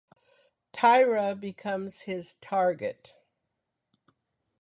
Tyra becomes his target.